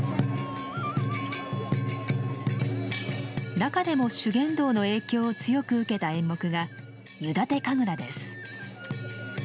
中でも修験道の影響を強く受けた演目が湯立神楽です。